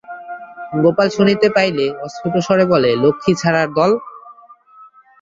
গোপাল শুনিতে পাইলে অস্ফুট স্বরে বলে লক্ষ্মীছাড়ার দল!